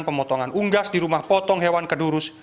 pemotongan unggas di rumah potong hewan kedurus